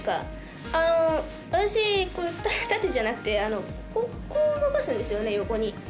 私、縦じゃなくてこう動かすんですよね、横に。